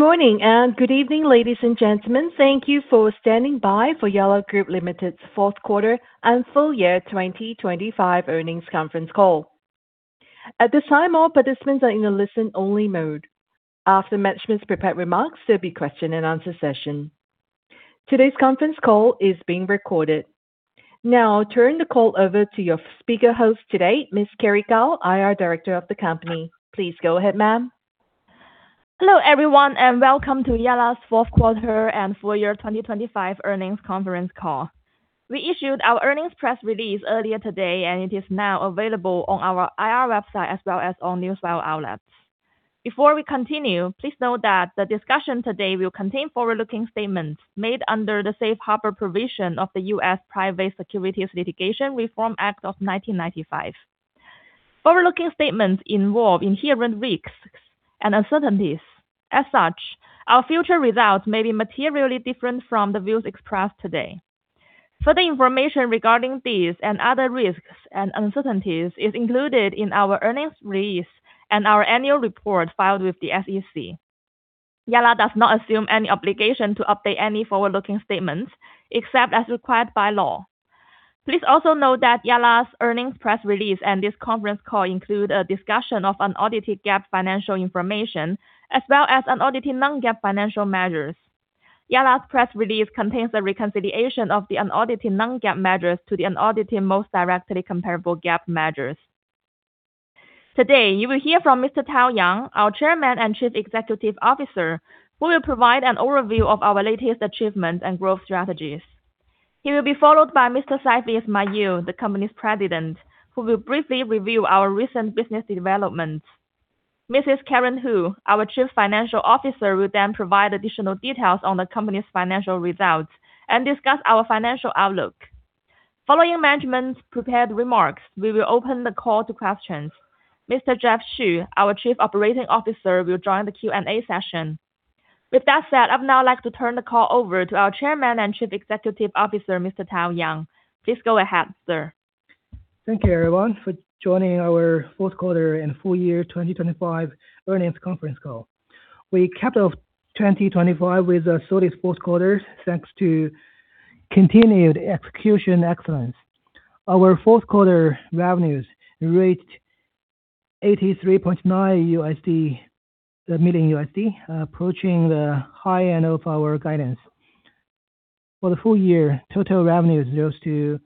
Morning and good evening, ladies and gentlemen. Thank you for standing by for Yalla Group Limited's fourth quarter and full year 2025 earnings conference call. At this time, all participants are in a listen only mode. After management's prepared remarks, there'll be question and answer session. Today's conference call is being recorded. I turn the call over to your speaker host today, Ms. Kerry Gao, IR Director of the company. Please go ahead, ma'am. Hello everyone, welcome to Yalla's fourth quarter and full year 2025 earnings conference call. We issued our earnings press release earlier today and it is now available on our IR website as well as all news file outlets. Before we continue, please note that the discussion today will contain forward-looking statements made under the safe harbor provision of the U.S. Private Securities Litigation Reform Act of 1995. Forward-looking statements involve inherent risks and uncertainties. As such, our future results may be materially different from the views expressed today. Further information regarding these and other risks and uncertainties is included in our earnings release and our annual report filed with the SEC. Yalla does not assume any obligation to update any forward-looking statements except as required by law. Please also note that Yalla's earnings press release and this conference call include a discussion of unaudited GAAP financial information, as well as unaudited non-GAAP financial measures. Yalla's press release contains a reconciliation of the unaudited non-GAAP measures to the unaudited most directly comparable GAAP measures. Today, you will hear from Mr. Tao Yang, our Chairman and Chief Executive Officer, who will provide an overview of our latest achievements and growth strategies. He will be followed by Mr. Saifi Ismail, the company's President, who will briefly review our recent business developments. Mrs. Karen Hu, our Chief Financial Officer, will then provide additional details on the company's financial results and discuss our financial outlook. Following management's prepared remarks, we will open the call to questions. Mr. Jeff Xu, our Chief Operating Officer, will join the Q&A session. With that said, I'd now like to turn the call over to our Chairman and Chief Executive Officer, Mr. Tao Yang. Please go ahead, sir. Thank you, everyone, for joining our fourth quarter and full year 2025 earnings conference call. We capped off 2025 with a solid fourth quarter thanks to continued execution excellence. Our fourth quarter revenues reached $83.9 million, approaching the high end of our guidance. For the full year, total revenues rose to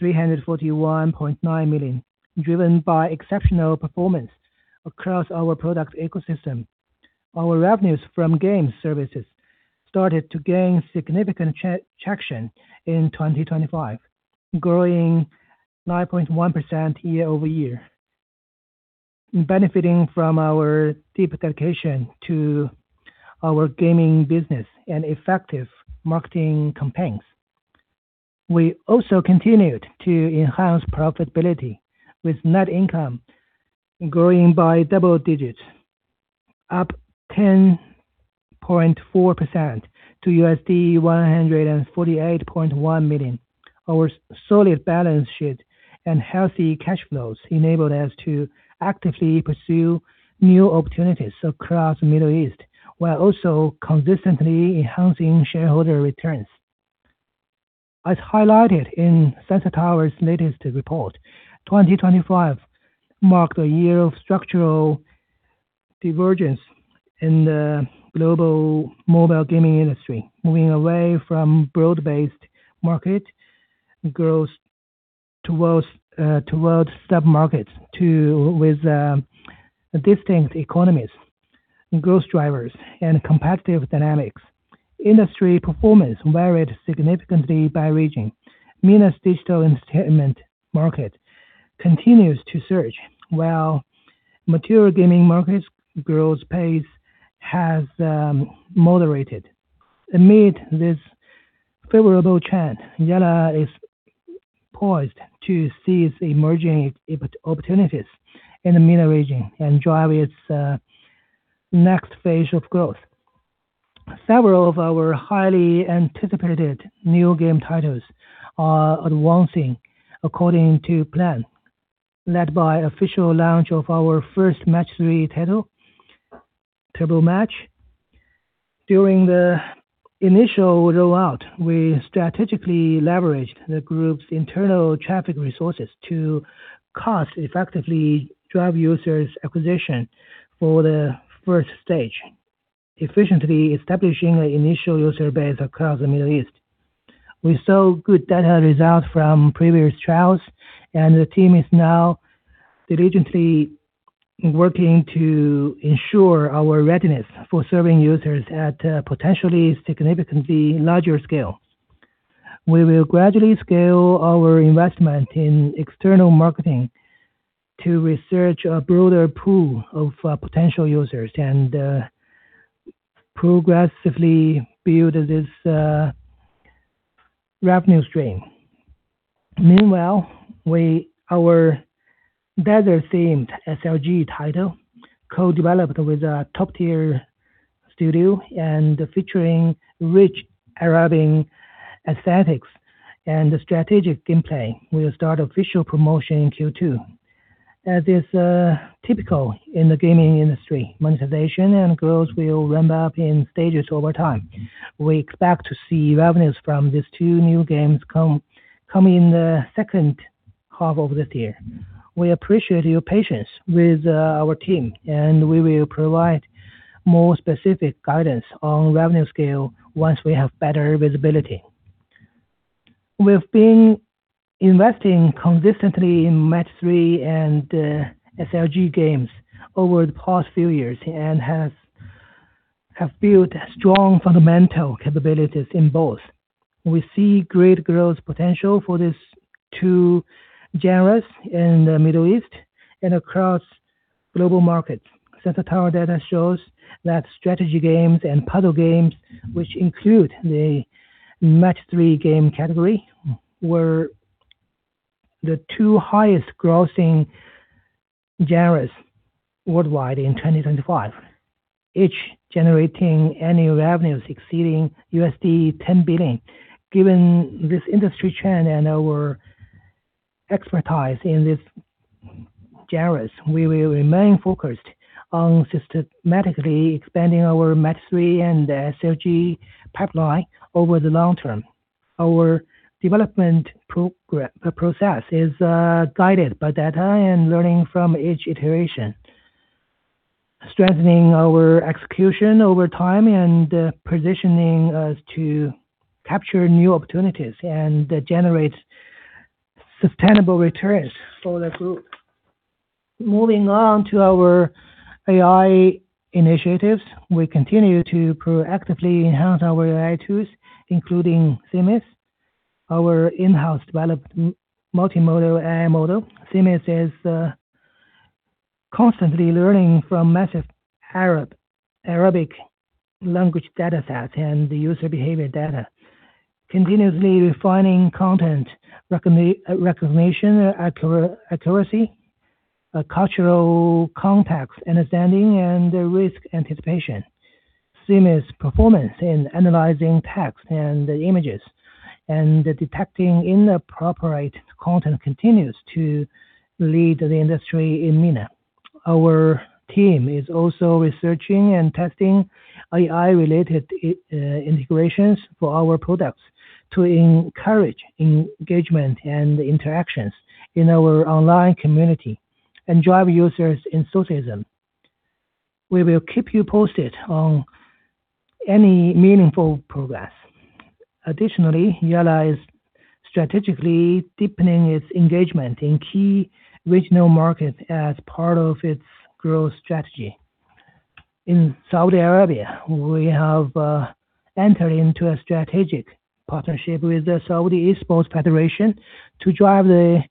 $341.9 million, driven by exceptional performance across our product ecosystem. Our revenues from game services started to gain significant traction in 2025, growing 9.1% year-over-year. Benefiting from our deep dedication to our gaming business and effective marketing campaigns. We also continued to enhance profitability with net income growing by double digits, up 10.4% to $148.1 million. Our solid balance sheet and healthy cash flows enabled us to actively pursue new opportunities across the Middle East, while also consistently enhancing shareholder returns. As highlighted in Sensor Tower's latest report, 2025 marked a year of structural divergence in the global mobile gaming industry, moving away from broad-based market growth towards sub-markets with distinct economies, growth drivers, and competitive dynamics. Industry performance varied significantly by region. MENA's digital entertainment market continues to surge, while mature gaming markets growth pace has moderated. Amid this favorable trend, Yalla is poised to seize emerging opportunities in the MENA region and drive its next phase of growth. Several of our highly anticipated new game titles are advancing according to plan, led by official launch of our first match-three title, Turbo Match. During the initial rollout, we strategically leveraged the group's internal traffic resources to cost effectively drive user acquisition for the first stage, efficiently establishing the initial user base across the Middle East. The team is now diligently working to ensure our readiness for serving users at a potentially significantly larger scale. We will gradually scale our investment in external marketing to research a broader pool of potential users and progressively build this revenue stream. Meanwhile, our better themed SLG title, co-developed with a top-tier studio and featuring rich Arabian aesthetics and strategic gameplay will start official promotion in Q2. As is typical in the gaming industry, monetization and growth will ramp up in stages over time. We expect to see revenues from these two new games come in the second half of this year. We appreciate your patience with our team, and we will provide more specific guidance on revenue scale once we have better visibility. We've been investing consistently in match-three and SLG games over the past few years and have built strong fundamental capabilities in both. We see great growth potential for these two genres in the Middle East and across global markets. Sensor Tower data shows that strategy games and puzzle games, which include the match-three game category, were the two highest grossing genres worldwide in 2025, each generating annual revenues exceeding $10 billion. Given this industry trend and our expertise in these genres, we will remain focused on systematically expanding our match-three and SLG pipeline over the long term. Our development process is guided by data and learning from each iteration, strengthening our execution over time and positioning us to capture new opportunities and generate sustainable returns for the group. Moving on to our AI initiatives. We continue to proactively enhance our AI tools, including [Themis], our in-house developed multimodal AI model. CMIS is constantly learning from massive Arabic language data sets and the user behavior data, continuously refining content recognition accuracy, cultural context understanding, and risk anticipation. CMIS' performance in analyzing text and images and detecting inappropriate content continues to lead the industry in MENA. Our team is also researching and testing AI-related integrations for our products to encourage engagement and interactions in our online community and drive users' enthusiasm. We will keep you posted on any meaningful progress. Additionally, Yalla is strategically deepening its engagement in key regional markets as part of its growth strategy. In Saudi Arabia, we have entered into a strategic partnership with the Saudi Esports Federation to drive the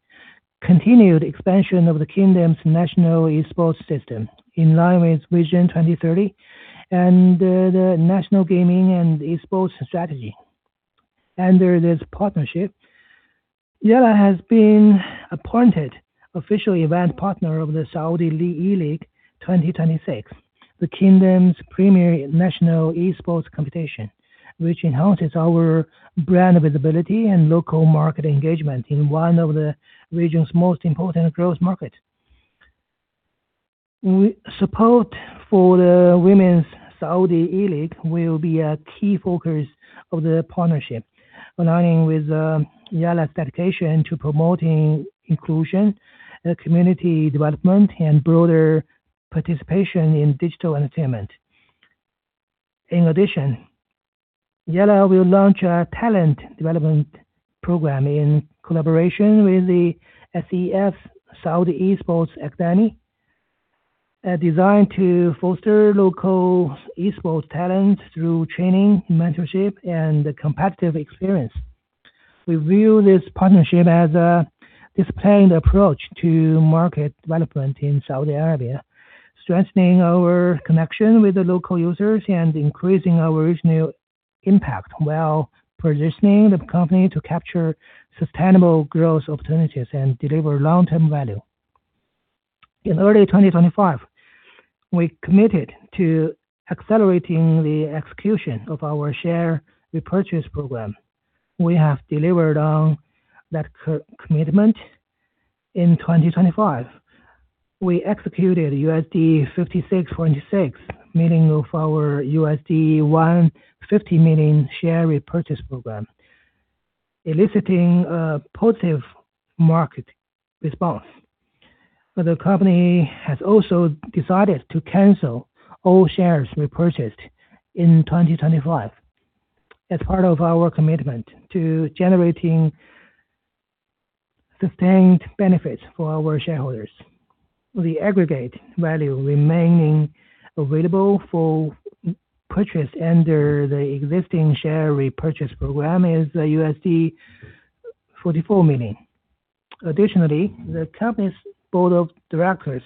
continued expansion of the kingdom's national esports system in line with Vision 2030 and the National Gaming and Esports Strategy. Under this partnership, Yalla has been appointed official event partner of the Saudi eLeagues 2026, the kingdom's premier national esports competition, which enhances our brand visibility and local market engagement in one of the region's most important growth markets. We support for the Women's Saudi eLeague will be a key focus of the partnership, aligning with Yalla's dedication to promoting inclusion, community development, and broader participation in digital entertainment. In addition, Yalla will launch a talent development program in collaboration with the SEF, Saudi Esports Academy, designed to foster local esports talent through training, mentorship, and competitive experience. We view this partnership as a disciplined approach to market development in Saudi Arabia, strengthening our connection with the local users and increasing our regional impact, while positioning the company to capture sustainable growth opportunities and deliver long-term value. In early 2025, we committed to accelerating the execution of our share repurchase program. We have delivered on that co-commitment. In 2025, we executed $56.6 million of our $150 million share repurchase program, eliciting a positive market response. The company has also decided to cancel all shares repurchased in 2025 as part of our commitment to generating sustained benefits for our shareholders. The aggregate value remaining available for purchase under the existing share repurchase program is $44 million. The company's board of directors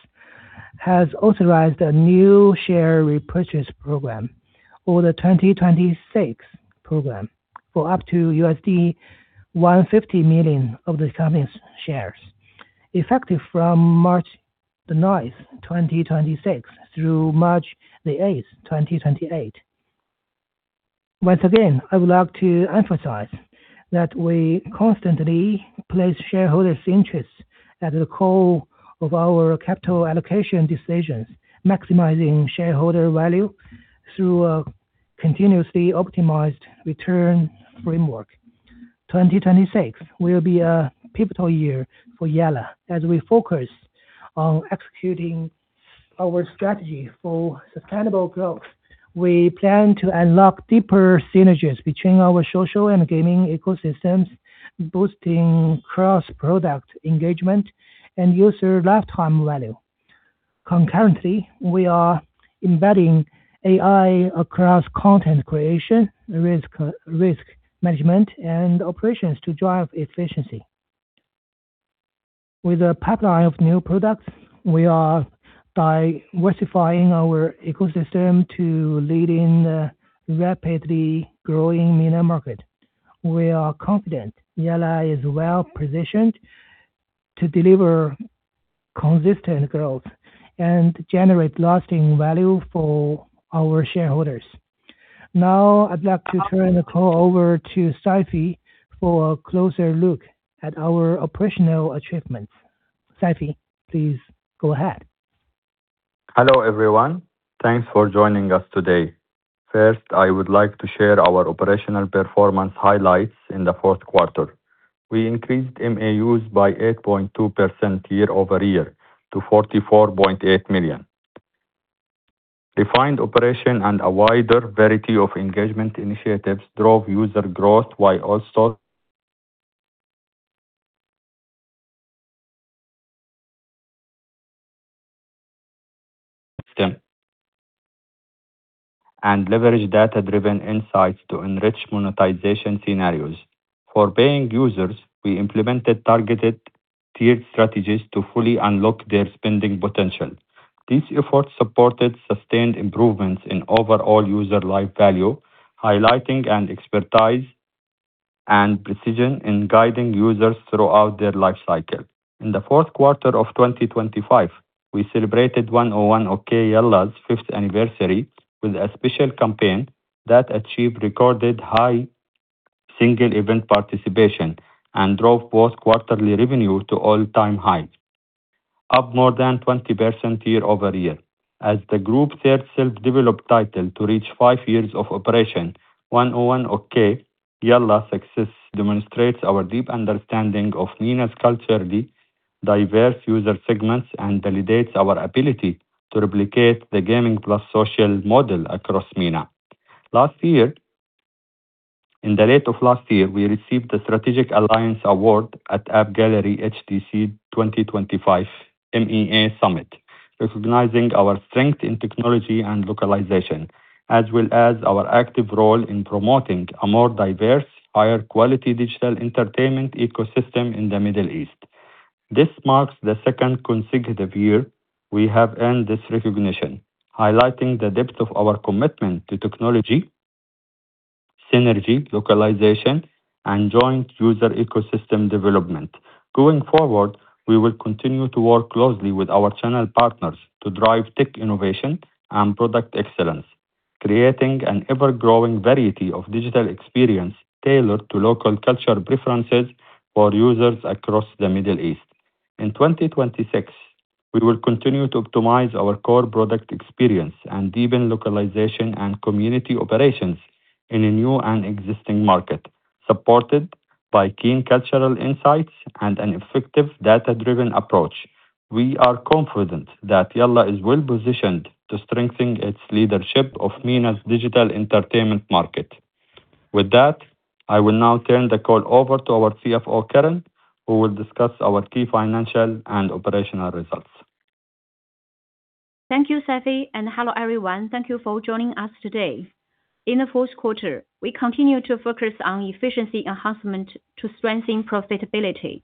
has authorized a new share repurchase program or the 2026 program for up to $150 million of the company's shares, effective from March 9, 2026, through March 8, 2028. Once again, I would like to emphasize that we constantly place shareholders' interests at the core of our capital allocation decisions, maximizing shareholder value through a continuously optimized return framework. 2026 will be a pivotal year for Yalla as we focus on executing our strategy for sustainable growth. We plan to unlock deeper synergies between our social and gaming ecosystems, boosting cross-product engagement and user lifetime value. We are embedding AI across content creation, risk management, and operations to drive efficiency. With a pipeline of new products, we are diversifying our ecosystem to lead in the rapidly growing MENA market. We are confident Yalla is well-positioned to deliver consistent growth and generate lasting value for our shareholders. I'd like to turn the call over to Seifi for a closer look at our operational achievements. Seifi, please go ahead. Hello, everyone. Thanks for joining us today. First, I would like to share our operational performance highlights in the fourth quarter. We increased MAUs by 8.2% year-over-year to $44.8 million. Refined operation and a wider variety of engagement initiatives drove user growth while also leverage data-driven insights to enrich monetization scenarios. For paying users, we implemented targeted tiered strategies to fully unlock their spending potential. These efforts supported sustained improvements in overall user life value, highlighting and expertise and precision in guiding users throughout their life cycle. In the fourth quarter of 2025, we celebrated 101 Okey Yalla's fifth anniversary with a special campaign that achieved recorded high single event participation and drove both quarterly revenue to all-time high, up more than 20% year-over-year. As the group's third self-developed title to reach five years of operation, 101 Okey Yalla's success demonstrates our deep understanding of MENA's culturally diverse user segments and validates our ability to replicate the gaming plus social model across MENA. In the late of last year, we received the Strategic Alliance Award at AppGallery HDC 2025 MEA Summit, recognizing our strength in technology and localization, as well as our active role in promoting a more diverse, higher quality digital entertainment ecosystem in the Middle East. This marks the second consecutive year we have earned this recognition, highlighting the depth of our commitment to technology, synergy, localization, and joint user ecosystem development. Going forward, we will continue to work closely with our channel partners to drive tech innovation and product excellence, creating an ever-growing variety of digital experience tailored to local cultural preferences for users across the Middle East. In 2026, we will continue to optimize our core product experience and deepen localization and community operations in a new and existing market, supported by keen cultural insights and an effective data-driven approach. We are confident that Yalla is well-positioned to strengthen its leadership of MENA's digital entertainment market. With that, I will now turn the call over to our CFO, Karen, who will discuss our key financial and operational results. Thank you, Saifi, and hello, everyone. Thank you for joining us today. In the fourth quarter, we continued to focus on efficiency enhancement to strengthen profitability.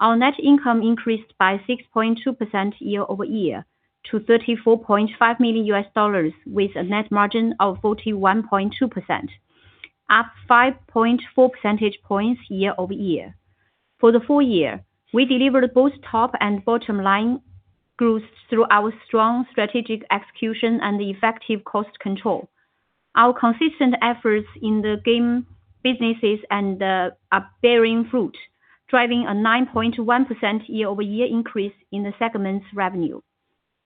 Our net income increased by 6.2% year-over-year to $34.5 million, with a net margin of 41.2%, up 5.4 percentage points year-over-year. For the full year, we delivered both top and bottom line growth through our strong strategic execution and effective cost control. Our consistent efforts in the game businesses are bearing fruit, driving a 9.1% year-over-year increase in the segment's revenue.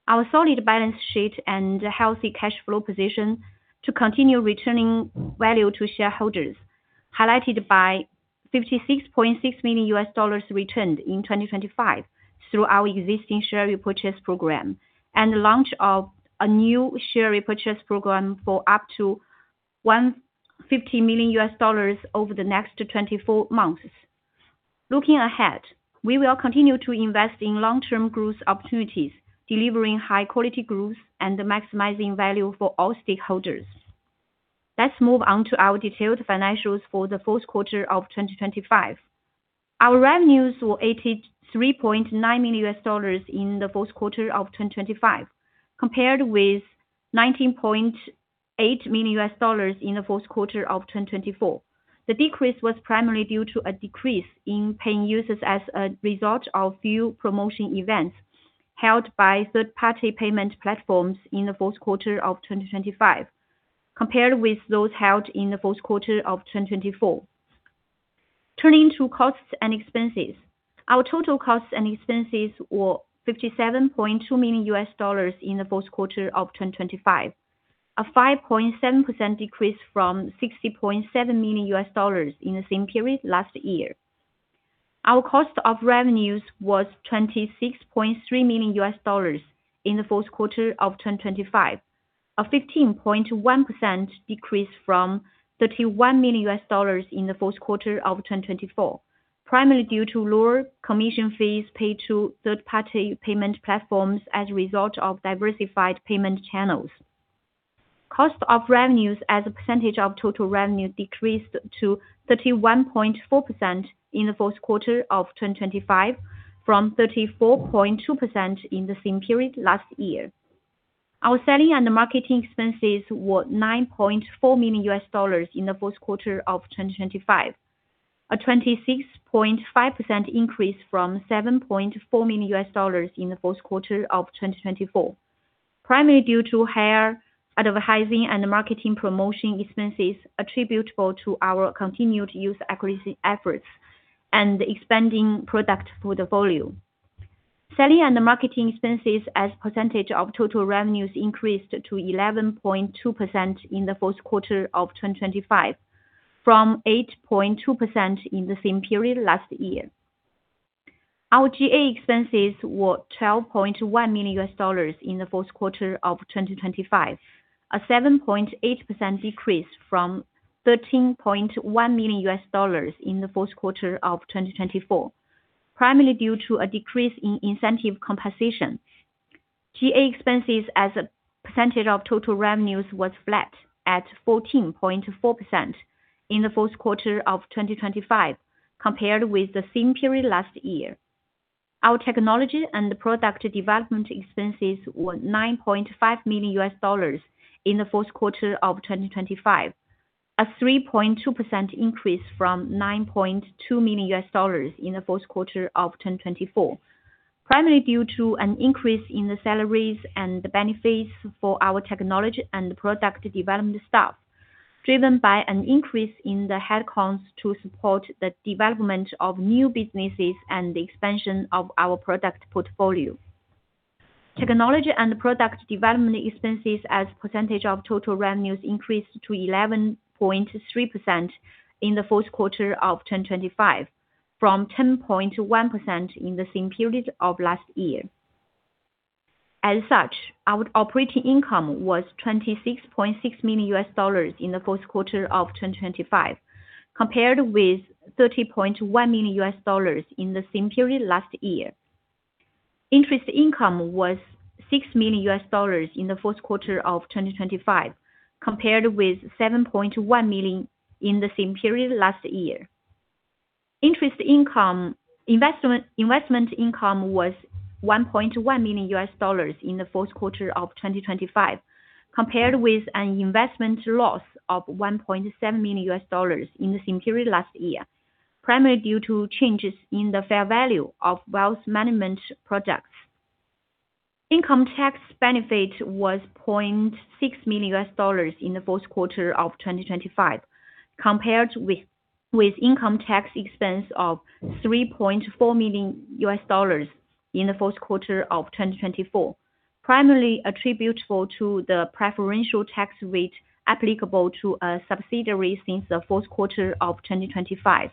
Our solid balance sheet and healthy cash flow position to continue returning value to shareholders, highlighted by $56.6 million returned in 2025 through our existing share repurchase program and the launch of a new share repurchase program for up to $150 million over the next 24 months. Looking ahead, we will continue to invest in long-term growth opportunities, delivering high-quality growth and maximizing value for all stakeholders. Let's move on to our detailed financials for the fourth quarter of 2025. Our revenues were $83.9 million in the fourth quarter of 2025, compared with $19.8 million in the fourth quarter of 2024. The decrease was primarily due to a decrease in paying users as a result of few promotion events, held by third-party payment platforms in the fourth quarter of 2025, compared with those held in the fourth quarter of 2024. Turning to costs and expenses. Our total costs and expenses were $57.2 million in the fourth quarter of 2025. 5.7% decrease from $60.7 million in the same period last year. Our cost of revenues was $26.3 million in the fourth quarter of 2025. 15.1% decrease from $31 million in the fourth quarter of 2024, primarily due to lower commission fees paid to third-party payment platforms as a result of diversified payment channels. Cost of revenues as a percentage of total revenue decreased to 31.4% in the fourth quarter of 2025 from 34.2% in the same period last year. Our selling and marketing expenses were $9.4 million in the fourth quarter of 2025. A 26.5% increase from $7.4 million in the fourth quarter of 2024. Primarily due to higher advertising and marketing promotion expenses attributable to our continued user acquisition efforts and expanding product portfolio. Selling and marketing expenses as percentage of total revenues increased to 11.2% in the fourth quarter of 2025 from 8.2% in the same period last year. Our G&A expenses were $12.1 million in the fourth quarter of 2025. A 7.8% decrease from $13.1 million in the fourth quarter of 2024, primarily due to a decrease in incentive compensation. G&A expenses as a percentage of total revenues was flat at 14.4% in the fourth quarter of 2025 compared with the same period last year. Our technology and product development expenses were $9.5 million in the fourth quarter of 2025. A 3.2% increase from $9.2 million in the fourth quarter of 2024. Primarily due to an increase in the salaries and benefits for our technology and product development staff, driven by an increase in the headcounts to support the development of new businesses and the expansion of our product portfolio. Technology and product development expenses as percentage of total revenues increased to 11.3% in the fourth quarter of 2025 from 10.1% in the same period of last year. Our operating income was $26.6 million in the fourth quarter of 2025 compared with $30.1 million in the same period last year. Interest income was $6 million in the fourth quarter of 2025 compared with $7.1 million in the same period last year. Investment income was $1.1 million in the fourth quarter of 2025 compared with an investment loss of $1.7 million in the same period last year, primarily due to changes in the fair value of wealth management products. Income tax benefit was $0.6 million in the fourth quarter of 2025 compared with income tax expense of $3.4 million in the fourth quarter of 2024. Primarily attributable to the preferential tax rate applicable to a subsidiary since the fourth quarter of 2025.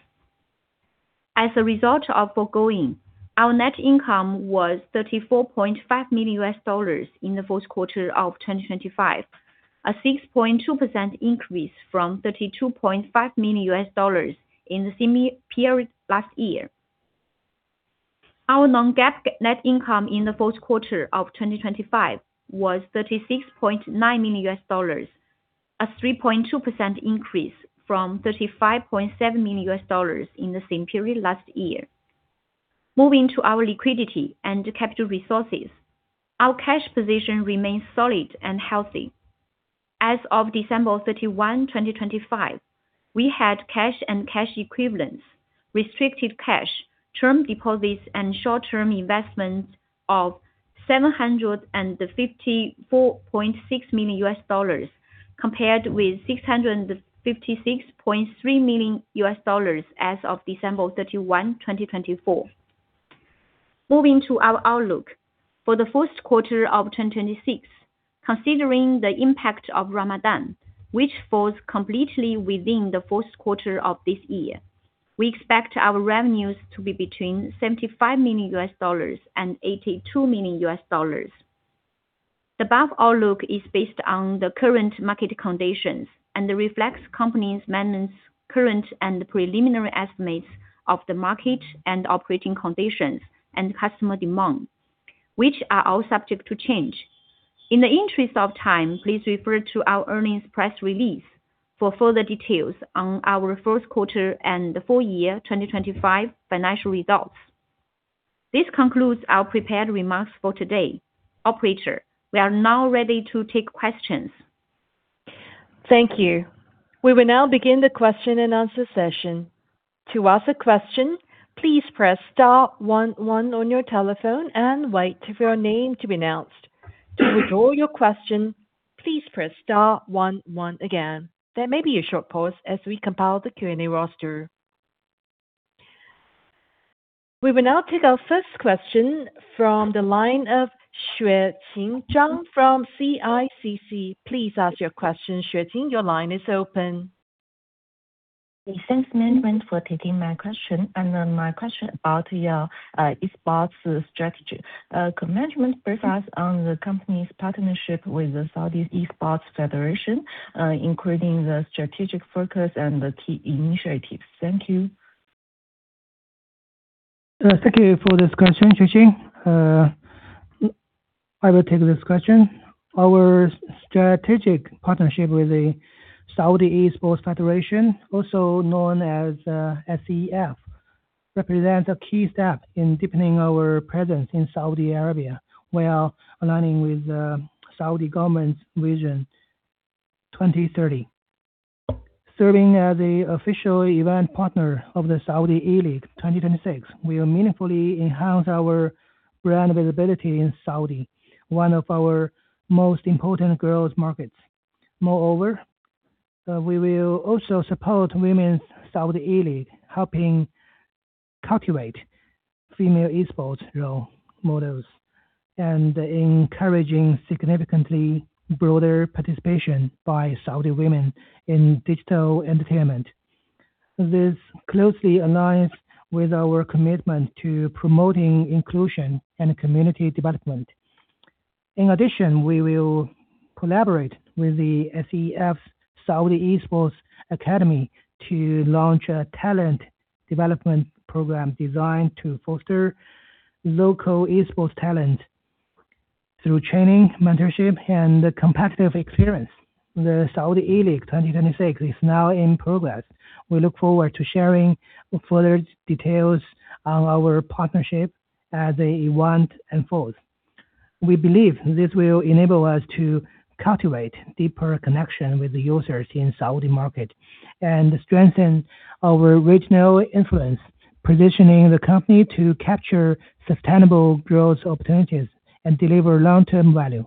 As a result of foregoing, our net income was $34.5 million in the fourth quarter of 2025, a 6.2% increase from $32.5 million in the same period last year. Our non-GAAP net income in the fourth quarter of 2025 was $36.9 million, a 3.2% increase from $35.7 million in the same period last year. Moving to our liquidity and capital resources. Our cash position remains solid and healthy. As of December 31, 2025, we had cash and cash equivalents, restricted cash, term deposits and short-term investments of $754.6 million compared with $656.3 million as of December 31, 2024. Moving to our outlook. For the first quarter of 2026, considering the impact of Ramadan, which falls completely within the first quarter of this year. We expect our revenues to be between $75 million and $82 million. The above outlook is based on the current market conditions and reflects company's management's current and preliminary estimates of the market and operating conditions and customer demand, which are all subject to change. In the interest of time, please refer to our earnings press release for further details on our first quarter and the full year 2025 financial results. This concludes our prepared remarks for today. Operator, we are now ready to take questions. Thank you. We will now begin the question-and-answer session. To ask a question, please press star one one on your telephone and wait for your name to be announced. To withdraw your question, please press star one one again. There may be a short pause as we compile the Q&A roster. We will now take our first question from the line of Xueqing Zhang from CICC. Please ask your question. Xueqing, your line is open. Thanks management for taking my question. My question about your esports strategy. Could management brief us on the company's partnership with the Saudi Esports Federation, including the strategic focus and the key initiatives? Thank you. Thank you for this question, Xueqing. I will take this question. Our strategic partnership with the Saudi Esports Federation, also known as SEF, represents a key step in deepening our presence in Saudi Arabia while aligning with the Saudi government's Vision 2030. Serving as the official event partner of the Saudi eLeagues 2026 will meaningfully enhance our brand availability in Saudi, one of our most important growth markets. Moreover, we will also support Women's Saudi eLeague, helping cultivate female esports role models and encouraging significantly broader participation by Saudi women in digital entertainment. This closely aligns with our commitment to promoting inclusion and community development. In addition, we will collaborate with the SEF Saudi Esports Academy to launch a talent development program designed to foster local esports talent through training, mentorship, and competitive experience. The Saudi eLeagues 2026 is now in progress. We look forward to sharing further details on our partnership as the event unfolds. We believe this will enable us to cultivate deeper connection with the users in Saudi market and strengthen our regional influence, positioning the company to capture sustainable growth opportunities and deliver long-term value.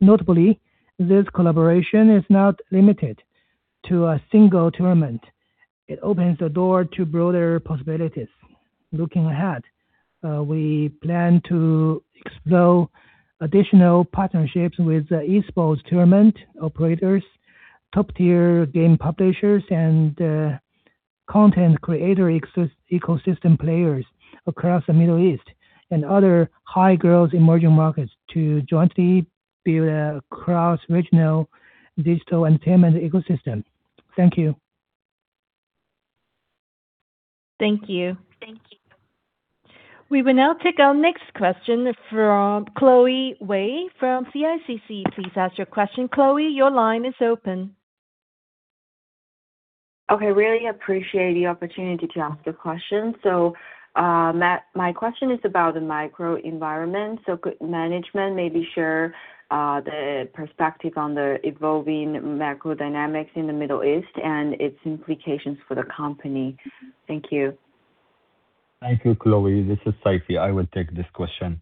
Notably, this collaboration is not limited to a single tournament. It opens the door to broader possibilities. Looking ahead, we plan to explore additional partnerships with the esports tournament operators, top-tier game publishers and content creator ecosystem players across the Middle East and other high-growth emerging markets to jointly build a cross-regional digital entertainment ecosystem. Thank you. Thank you. Thank you. We will now take our next question from Chloe Wei from CICC. Please ask your question. Chloe, your line is open. Okay. Really appreciate the opportunity to ask the question. My question is about the microenvironment. Could management maybe share the perspective on the evolving macro dynamics in the Middle East and its implications for the company? Thank you. Thank you, Chloe. This is Saifi. I will take this question.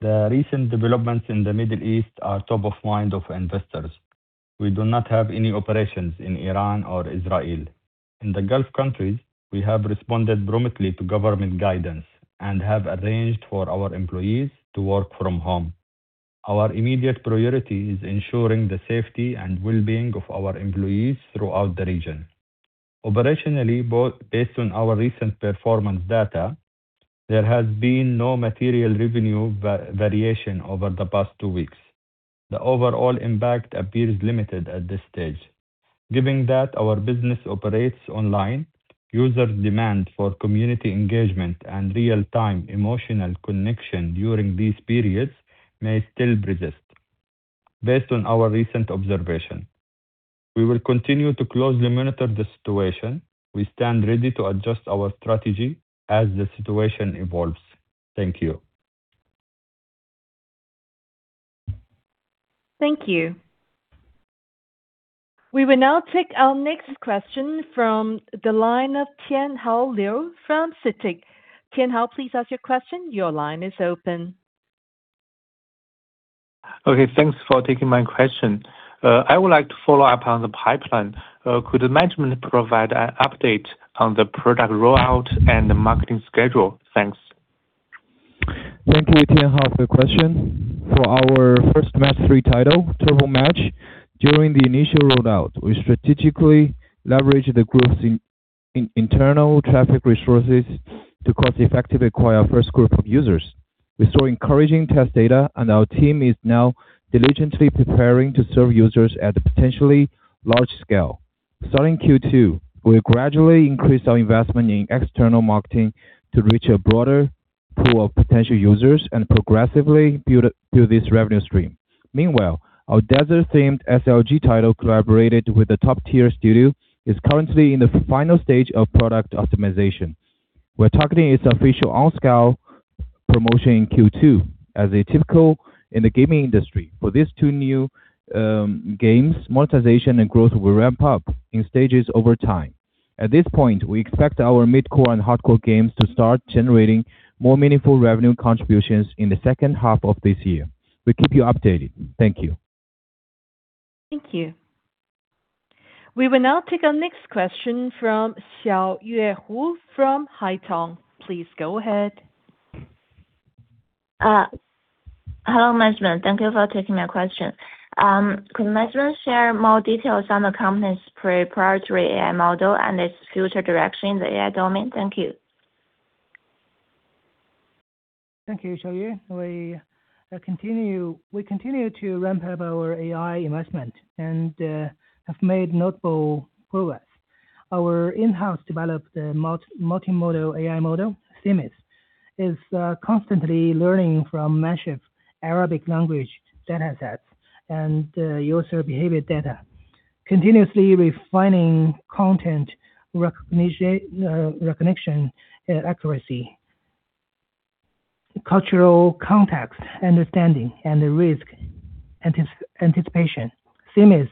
The recent developments in the Middle East are top of mind of investors. We do not have any operations in Iran or Israel. In the Gulf countries, we have responded promptly to government guidance and have arranged for our employees to work from home. Our immediate priority is ensuring the safety and well-being of our employees throughout the region. Operationally, based on our recent performance data, there has been no material revenue variation over the past two weeks. The overall impact appears limited at this stage. Given that our business operates online, user demand for community engagement and real-time emotional connection during these periods may still persist based on our recent observation. We will continue to closely monitor the situation. We stand ready to adjust our strategy as the situation evolves. Thank you. Thank you. We will now take our next question from the line of Tianhao Liu from CITIC. Tianhao, please ask your question. Your line is open. Okay. Thanks for taking my question. I would like to follow up on the pipeline. Could management provide an update on the product rollout and the marketing schedule? Thanks. Thank you, Tianhao, for the question. For our first match-three title Turbo Match. During the initial rollout, we strategically leveraged the group's internal traffic resources to cost-effectively acquire first group of users. We saw encouraging test data and our team is now diligently preparing to serve users at a potentially large scale. Starting Q2, we gradually increased our investment in external marketing to reach a broader pool of potential users and progressively build through this revenue stream. Meanwhile, our desert-themed SLG title collaborated with the top-tier studio, is currently in the final stage of product optimization. We're targeting its official on scale. Promotion in Q2 as a typical in the gaming industry. For these two new games, monetization and growth will ramp up in stages over time. At this point, we expect our mid-core and hardcore games to start generating more meaningful revenue contributions in the second half of this year. We'll keep you updated. Thank you. Thank you. We will now take our next question from Xiaoyue Hu from Haitong. Please go ahead. Hello management. Thank you for taking my question. Could management share more details on the company's proprietary AI model and its future direction in the AI domain? Thank you. Thank you, Xiaoyue. We continue to ramp up our AI investment and have made notable progress. Our in-house developed multimodal AI model, CMIS, is constantly learning from massive Arabic language datasets and user behavior data, continuously refining content recognition accuracy, cultural context understanding, and risk anticipation. CMIS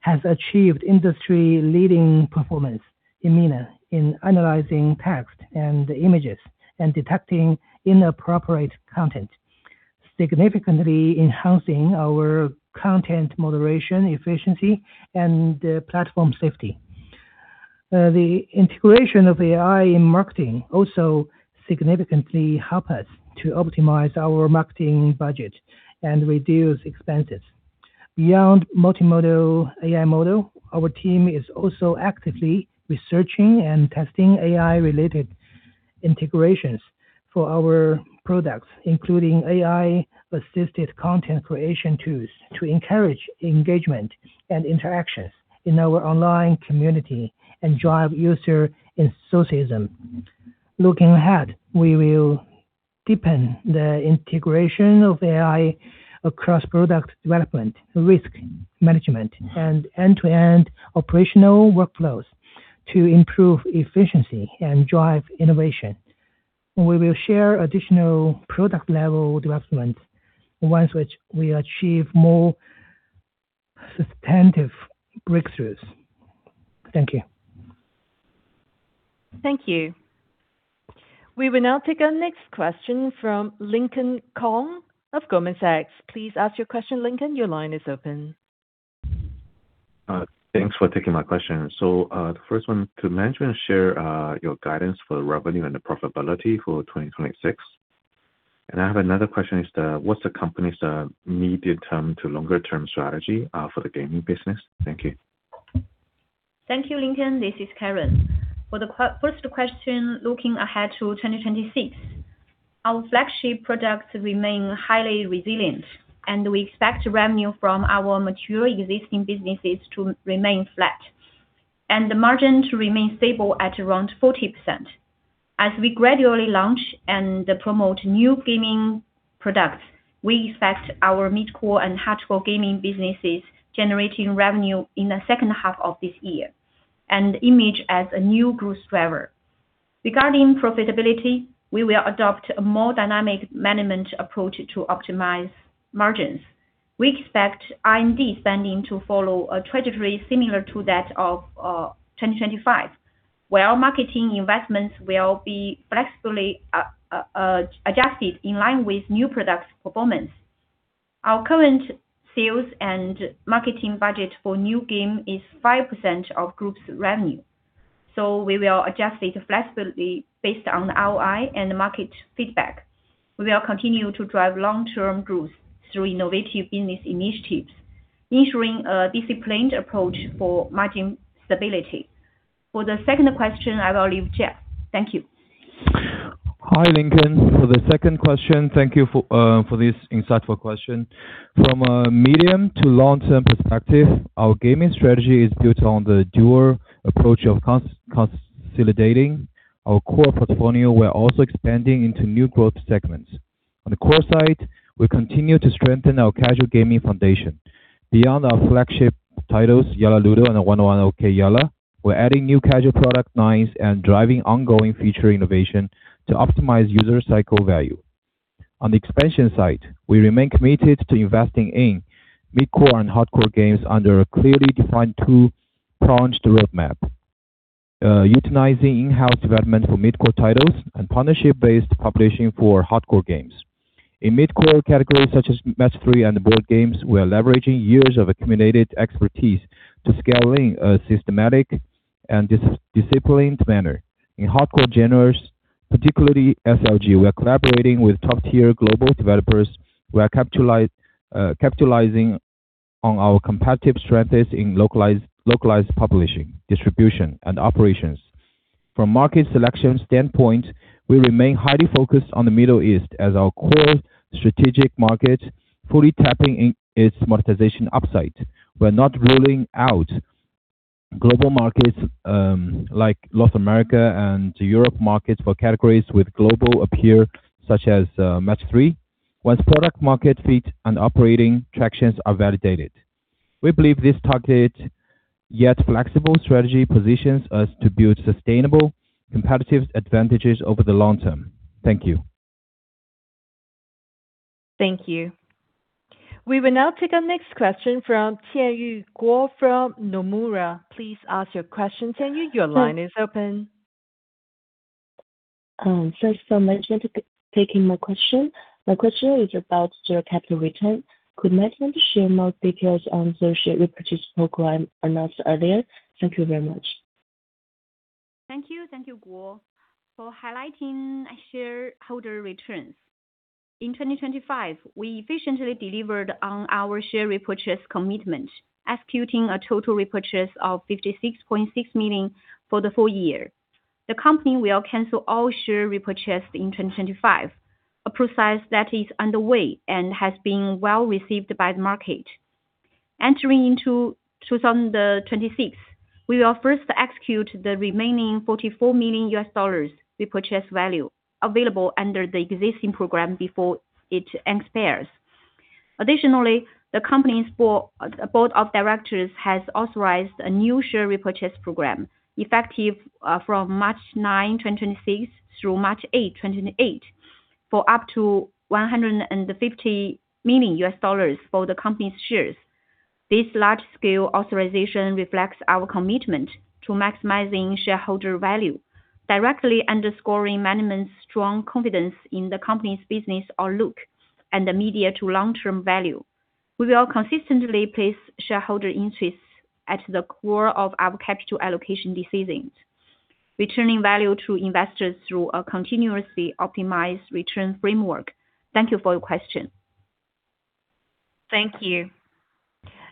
has achieved industry-leading performance in MENA in analyzing text and images and detecting inappropriate content, significantly enhancing our content moderation efficiency and platform safety. The integration of AI in marketing also significantly help us to optimize our marketing budget and reduce expenses. Beyond multimodal AI model, our team is also actively researching and testing AI-related integrations for our products, including AI-assisted content creation tools to encourage engagement and interactions in our online community and drive user enthusiasm. Looking ahead, we will deepen the integration of AI across product development, risk management, and end-to-end operational workflows to improve efficiency and drive innovation. We will share additional product level development, ones which we achieve more substantive breakthroughs. Thank you. Thank you. We will now take our next question from Lincoln Kong of Goldman Sachs. Please ask your question, Lincoln. Your line is open. Thanks for taking my question. The first one, could management share your guidance for revenue and the profitability for 2026? I have another question, what's the company's medium term to longer term strategy for the gaming business? Thank you. Thank you, Lincoln. This is Karen. For the first question, looking ahead to 2026, our flagship products remain highly resilient and we expect revenue from our mature existing businesses to remain flat, and the margin to remain stable at around 40%. As we gradually launch and promote new gaming products, we expect our mid-core and hardcore gaming businesses generating revenue in the second half of this year, and image as a new growth driver. Regarding profitability, we will adopt a more dynamic management approach to optimize margins. We expect R&D spending to follow a trajectory similar to that of 2025, where our marketing investments will be flexibly adjusted in line with new products performance. Our current sales and marketing budget for new game is 5% of group's revenue, so we will adjust it flexibly based on ROI and market feedback. We will continue to drive long-term growth through innovative business initiatives, ensuring a disciplined approach for margin stability. For the second question, I will leave Jeff. Thank you. Hi, Lincoln. For the second question, thank you for this insightful question. From a medium to long-term perspective, our gaming strategy is built on the dual approach of consolidating our core portfolio. We're also expanding into new growth segments. On the core side, we continue to strengthen our casual gaming foundation. Beyond our flagship titles, Yalla Ludo and 101 Okey Yalla, we're adding new casual product lines and driving ongoing feature innovation to optimize user cycle value. On the expansion side, we remain committed to investing in mid-core and hardcore games under a clearly defined two-pronged roadmap. Utilizing in-house development for mid-core titles and partnership-based publishing for hardcore games. In mid-core categories such as match three and board games, we are leveraging years of accumulated expertise to scale in a systematic and disciplined manner. In hardcore genres, particularly SLG, we are collaborating with top-tier global developers. We are capitalizing on our competitive strengths in localized publishing, distribution, and operations. From market selection standpoint, we remain highly focused on the Middle East as our core strategic market, fully tapping in its monetization upside. We're not ruling out global markets, like North America and Europe markets for categories with global appeal, such as match-three, once product market fit and operating tractions are validated. We believe this targeted- Yet flexible strategy positions us to build sustainable competitive advantages over the long term. Thank you. Thank you. We will now take our next question from Tingyou Guo from Nomura. Please ask your question. Tingyou, your line is open. First for management, taking my question. My question is about share capital return. Could management share more details on the share repurchase program announced earlier? Thank you very much. Thank you. Thank you, Guo, for highlighting shareholder returns. In 2025, we efficiently delivered on our share repurchase commitment, executing a total repurchase of $56.6 million for the full year. The company will cancel all share repurchased in 2025, a process that is underway and has been well received by the market. Entering into 2026, we will first execute the remaining $44 million repurchase value available under the existing program before it expires. Additionally, the company's board of directors has authorized a new share repurchase program effective from March 9, 2026 through March 8, 2028 for up to $150 million for the company's shares. This large-scale authorization reflects our commitment to maximizing shareholder value directly underscoring management's strong confidence in the company's business outlook and the immediate to long-term value. We will consistently place shareholder interests at the core of our capital allocation decisions, returning value to investors through a continuously optimized return framework. Thank you for your question. Thank you.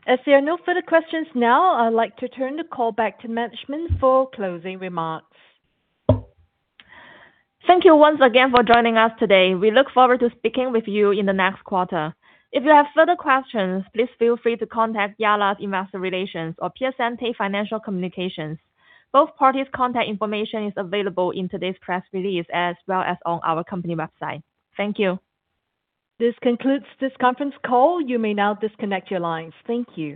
As there are no further questions now, I'd like to turn the call back to management for closing remarks. Thank you once again for joining us today. We look forward to speaking with you in the next quarter. If you have further questions, please feel free to contact Yalla's Investor Relations or Piacente Financial Communications. Both parties' contact information is available in today's press release as well as on our company website. Thank you. This concludes this conference call. You may now disconnect your lines. Thank you.